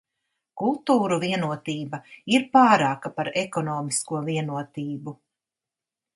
Kultūru vienotība ir pārāka par ekonomisko vienotību.